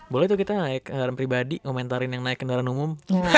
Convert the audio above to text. boleh tuh kita naik kendaraan pribadi ngomentarin yang naik kendaraan umum